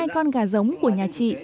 một mươi hai con gà giống của nhà chị